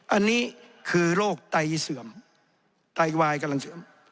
อันนี้คือโรคไตเสื่อมไตวายกำลังเสื่อม